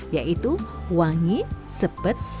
yaitu wangi sepet